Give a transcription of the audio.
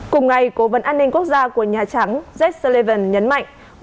cùng ngày cố vấn an ninh quốc gia của nhà trắng jake sullivan nhấn mạnh